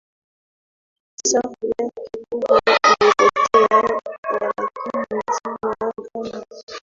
Safu yake kubwa imepotea Walakini dini ngano